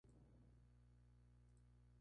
La edición últimamente fue censurada.